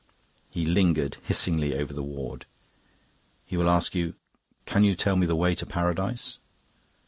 He lingered hissingly over the word. "He will ask you, 'Can you tell me the way to Paradise?